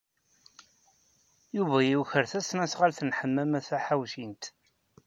Yuba yuker tasnasɣalt n Ḥemmama Taḥawcint.